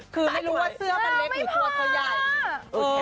คือไม่รู้ว่าเสื้อมันเล็กหรือตัวเธอใหญ่